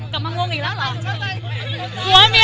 กลับมาง่วงอีกแล้วเหรอ